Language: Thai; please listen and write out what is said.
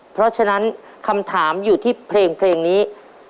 เพราะฉะนั้นคำถามอยู่ที่เพลงนี้